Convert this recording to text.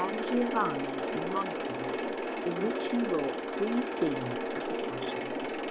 Giovanni in Monte, in which he wrought three scenes of the Passion of Christ.